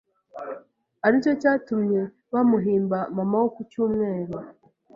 aricyo cyatumye bamuhimba Mama wo ku Cyumweru’